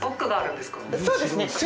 そうですね。